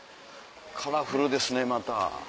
カラフルですねまた。